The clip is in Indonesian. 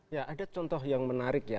ya ada contoh yang menarik ya